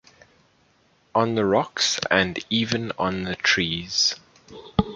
On the rocks and even on the trees.